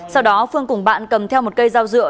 sau đó phương cùng bạn cầm theo một cây dao dựa